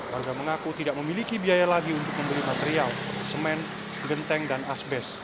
warga mengaku tidak memiliki biaya lagi untuk memberi material semen genteng dan asbes